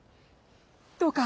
どうか！